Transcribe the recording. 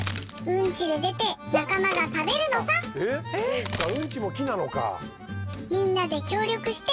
そうかうんちも木なのか。